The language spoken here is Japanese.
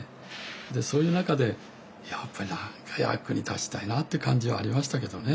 でそういう中でやっぱり何か役に立ちたいなって感じはありましたけどね。